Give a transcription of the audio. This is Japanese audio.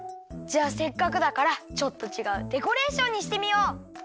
じゃあせっかくだからちょっとちがうデコレーションにしてみよう！